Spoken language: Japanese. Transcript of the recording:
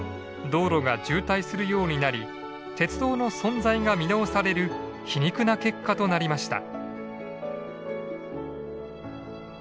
道路が渋滞するようになり鉄道の存在が見直される皮肉な結果となりました。